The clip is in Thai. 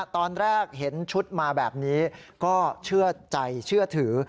ตอนแรกเห็นชุดมาแบบนี้ก็เชื่อใจเชื่อถือ